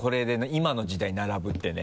今の時代並ぶってね。